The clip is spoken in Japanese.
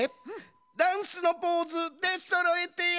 「ダンスのポーズ」でそろえてや！